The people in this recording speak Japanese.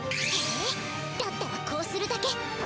へぇだったらこうするだけ。